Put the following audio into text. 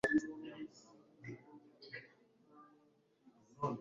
naho biriya nzabikora mu minsi itanu, itandatu,